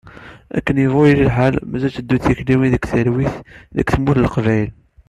Akken yebɣu yili lḥal, mazal teddunt tikliwin deg talwit, deg tmurt n Leqbayel.